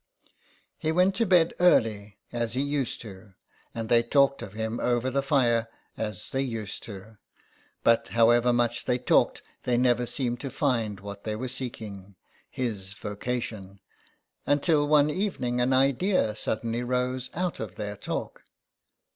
He went to bed early, as he used to, and they talked of him over the fire, as they used to. But however much they talked, they never seemed to find what they were seeking — his vocation — until one evening an idea suddenly rose out of their talk.